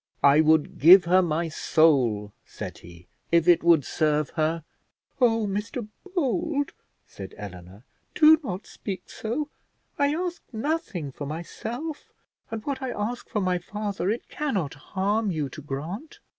"I would give her my soul," said he, "if it would serve her." "Oh, Mr Bold," said Eleanor, "do not speak so; I ask nothing for myself; and what I ask for my father, it cannot harm you to grant."